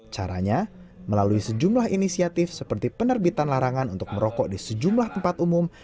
caranya melalui sejumlah inisiatif seperti penerbitan larangan untuk merokok di sejumlah tempat umum